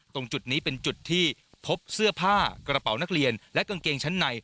ตรงจุดนี้เป็นจุดที่พบเสื้อผ้ากระเป๋านักเรียนและกางเกงชั้นใน